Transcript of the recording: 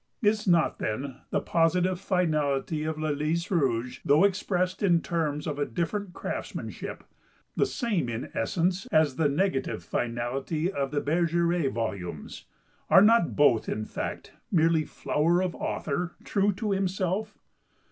Is not, then, the positive finality of "Le Lys Rouge," though expressed in terms of a different craftsmanship, the same, in essence, as the negative finality of the "Bergeret" volumes? Are not both, in fact, merely flower of author true to himself?